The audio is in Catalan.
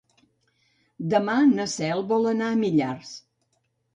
Demà na Cel vol anar a Millars.